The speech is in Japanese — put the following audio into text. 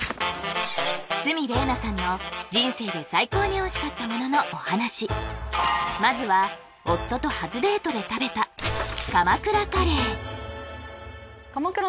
鷲見玲奈さんの人生で最高においしかったもののお話まずは夫と初デートで食べた鎌倉カレー